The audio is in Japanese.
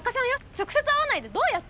直接会わないでどうやって。